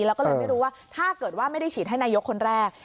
แล้วก็เลยไม่รู้ว่าถ้าเกิดว่าไม่ได้ฉีดให้นายกคนแรก